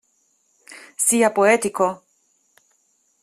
Sia poetico.